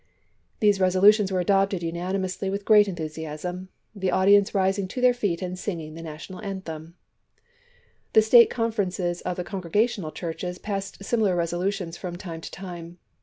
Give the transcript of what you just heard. These resolutions were adopted unani mously with great enthusiasm, the audience rising to their feet and singing the national anthem. The State conferences of the Congregational churches passed similar resolutions from time to time.